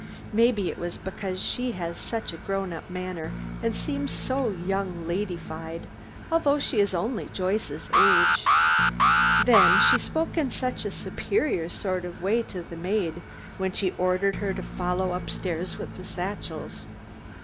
Maybe it was because she had such a grown up manner and seemed so young ladified, although she is only Joyce's age. Then she spoke in such a superior sort of way to her maid, when she ordered her to follow up stairs with the satchels.